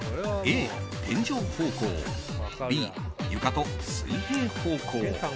Ａ、天井方向Ｂ、床と水平方向。